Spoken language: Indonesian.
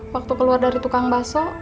waktu keluar dari tukang baso